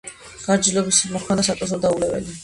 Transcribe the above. გარჯილობასა მოჰქონდა საწუთრო დაულეველი